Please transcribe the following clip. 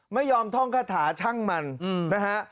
ไม่ยอมท่องคาถาช่างมันนะฮะ